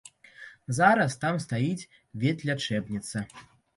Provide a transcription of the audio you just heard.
Зараз там стаіць ветлячэбніца.